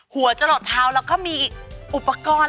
หัวจะหลดเท้าแล้วก็มีอุปกรณ์